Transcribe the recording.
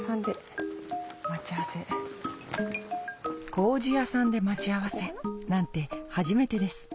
こうじやさんで待ち合わせなんて初めてです。